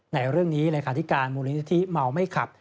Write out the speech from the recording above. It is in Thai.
ในเรื่องนี้รายการที่การมูลนิทธิเมาไม่ขับ